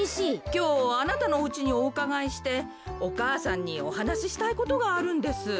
きょうあなたのおうちにおうかがいしてお母さんにおはなししたいことがあるんです。